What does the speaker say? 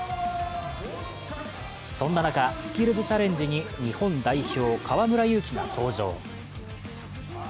そんな中、スキルズチャレンジに日本代表・河村勇輝が登場。